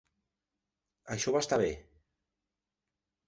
Això va estar bé.